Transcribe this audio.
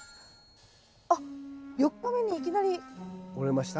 あっ４日目にいきなり。折れました？